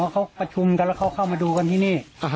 เขาประชุมกันแล้วเขาเข้ามาดูกันที่นี่